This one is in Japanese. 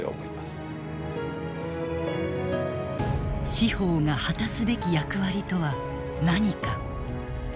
司法が果たすべき役割とは何か。